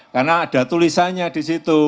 karena ada tulisannya disitu